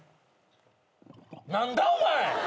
何だお前！